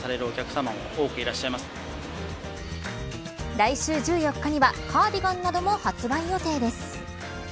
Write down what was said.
来週１４日にはカーディガンなども発売予定です。